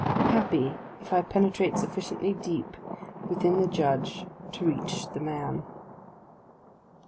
happy if I penetrate sufficiently deep within the Judge to reach the man.